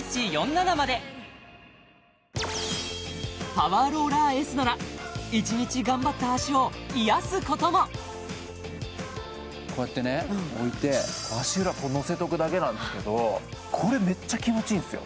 パワーローラーＳなら１日頑張った脚を癒やすこともこうやってね置いて足裏のせとくだけなんですけどこれメッチャ気持ちいいんすよ